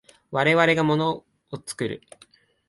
我々が物を作る。